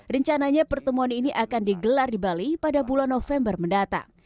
rencananya pertemuan ini akan digelar di bali pada bulan november mendatang